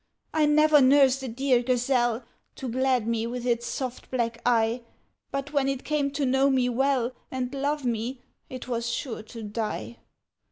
I never nursed a dear gazelle, To glad me with its soft black eye, But when it came to know me well, And love me, it was sure to die!